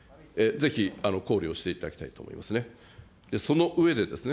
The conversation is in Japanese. ぜひ、考慮していただきたいと思いますね。